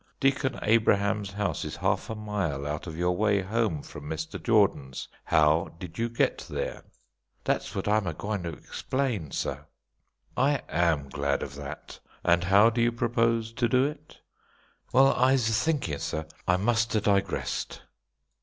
Deacon Abraham's house is half a mile out of your way home from Mr. Jordan's. How did you get there?" "Dat's what I'm a gwine ter explain, sar." "I am glad of that. And how do you propose to do it?" "Well, I'se thinkin', sar, I must ha' digressed."